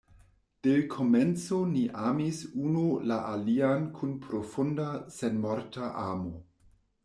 De l’komenco ni amis unu la alian kun profunda, senmorta amo.